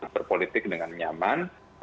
berpolitik dengan nyaman